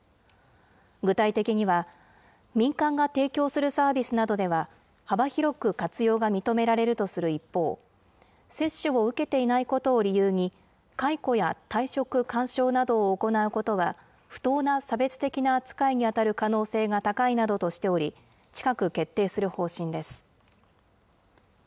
具体的には、民間が提供するサービスなどでは、幅広く活用が認められるとする一方、接種を受けていないことを理由に、解雇や退職勧奨などを行うことは、不当な差別的な扱いに当たる可能性が高いなどとしており、近く、決定する方針です。